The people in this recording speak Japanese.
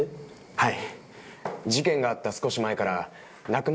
はい。